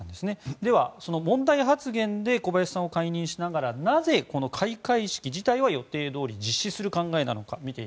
では、問題発言で小林さんを解任しながら開会式自体は予定どおり実施する考えなのか。